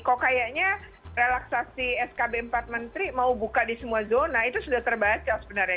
kok kayaknya relaksasi skb empat menteri mau buka di semua zona itu sudah terbaca sebenarnya